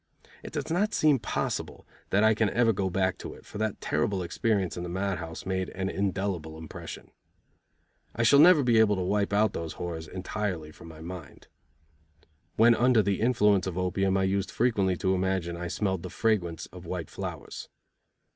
It does not seem possible that I can ever go back to it, for that terrible experience in the mad house made an indelible impression. I shall never be able to wipe out those horrors entirely from my mind. When under the influence of opium I used frequently to imagine I smelled the fragrance of white flowers.